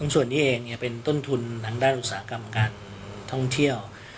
ส่วนนี้เองเป็นต้นทุนทางด้านอุตสาหกรรมการท่องเที่ยว